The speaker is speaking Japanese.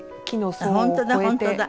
本当だ本当だ。